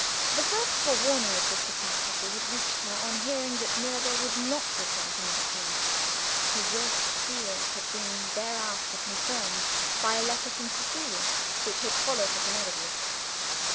The first forewarning of this catastrophe had reached her, on hearing that Mirabel would not return to Monksmoor. Her worst fears had been thereafter confirmed by a letter from Cecilia, which had followed her to Netherwoods.